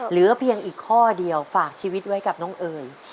เหลือเพียงอีกข้อเดียวฝากชีวิตไว้กับน้องเอ๋ย